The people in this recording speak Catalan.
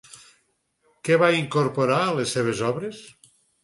Què va incorporar a les seves obres?